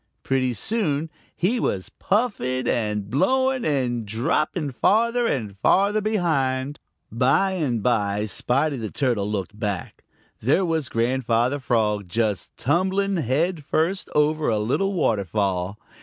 Pretty soon he was puffing and blowing and dropping farther and farther behind. By and by, Spotty the Turtle looked back. There was Grandfather Frog just tumbling head first over a little waterfall.